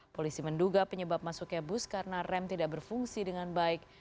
polisi menduga penyebab masuknya bus karena rem tidak berfungsi dengan baik